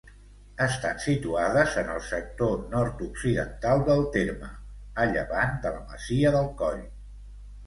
Estan situades en el sector nord-occidental del terme, a llevant de la masia del Coll.